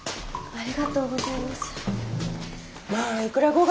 ありがとうございます。